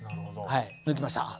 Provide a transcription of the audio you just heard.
はい抜きました。